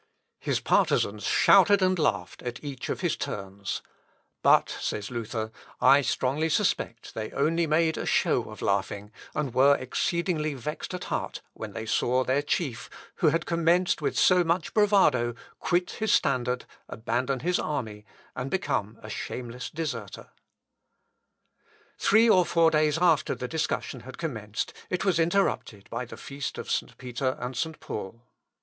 His partizans shouted and laughed at each of his turns, "but," says Luther, "I strongly suspect they only made a show of laughing, and were exceedingly vexed at heart when they saw their chief, who had commenced with so much bravado, quit his standard, abandon his army, and become a shameless deserter." Relictis signis, desertorem exercitus et transfugam factum. (L. Ep. i, 295.) Three or four days after the discussion had commenced, it was interrupted by the feast of St. Peter and St. Paul.